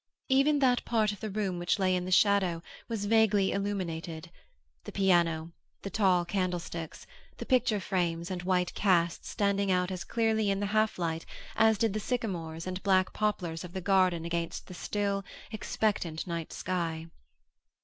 Even that part of the room which lay in the shadow was vaguely illuminated; the piano, the tall candlesticks, the picture frames and white casts standing out as clearly in the half light as did the sycamores and black poplars of the garden against the still, expectant night sky.